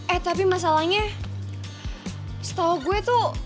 eh tapi masalahnya setau gua tuh